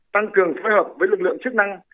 tăng cường phối hợp với lực lượng chức năng